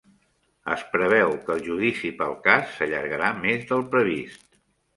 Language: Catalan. Es preveu que el judici pel cas s'allargarà més del previst